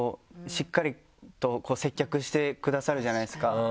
しっかりと接客してくださるじゃないですか。